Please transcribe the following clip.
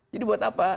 jadi buat apa